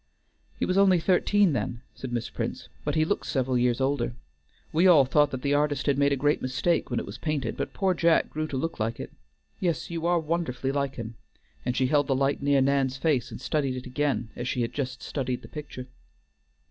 "He was only thirteen then," said Miss Prince, "but he looks several years older. We all thought that the artist had made a great mistake when it was painted, but poor Jack grew to look like it. Yes, you are wonderfully like him," and she held the light near Nan's face and studied it again as she had just studied the picture.